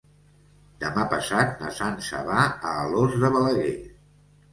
Demà passat na Sança va a Alòs de Balaguer.